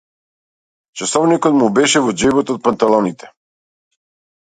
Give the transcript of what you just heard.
Часовникот му беше во џебот од панталоните.